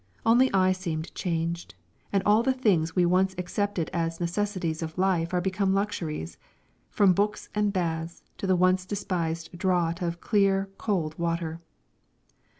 Only I seem changed, and all the things we once accepted as necessities of life are become luxuries, from books and baths to the once despised draught of clear cold water!